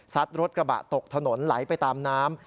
รถกระบะตกถนนไหลไปตามน้ำ